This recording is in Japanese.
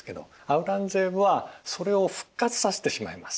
アウラングゼーブはそれを復活させてしまいます。